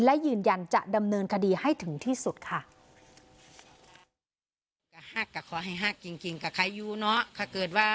และยืนยันจะดำเนินคดีให้ถึงที่สุดค่ะ